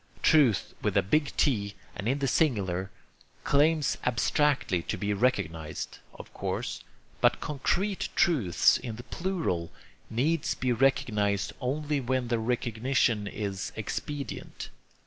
Truth with a big T, and in the singular, claims abstractly to be recognized, of course; but concrete truths in the plural need be recognized only when their recognition is expedient.